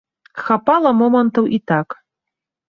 Хапала момантаў і так.